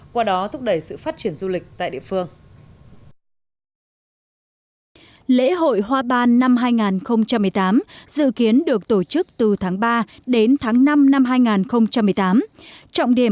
qua đó thúc đẩy sự phát triển du lịch tại địa phương